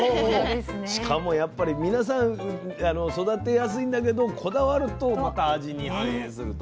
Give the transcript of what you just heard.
しかもやっぱり皆さん育てやすいんだけどこだわるとまた味に反映すると。